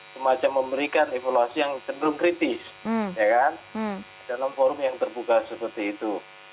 semacam memberikan evaluasi yang cenderung kritis dalam forum yang terbuka seperti itu